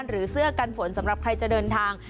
หรือเสื้อกันฝนสำหรับใครจะเดินทาง